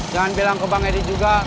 jangan bilang ke bang edi juga